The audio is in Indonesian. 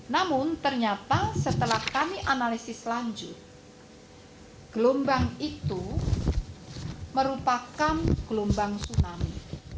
namun ternyata setelah kami analisis lanjut gelombang itu merupakan gelombang tsunami